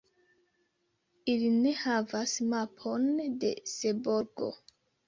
Ili ne havas mapon de Seborgo.